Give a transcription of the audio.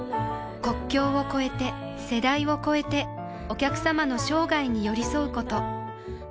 国境を超えて世代を超えてお客様の生涯に寄り添うこと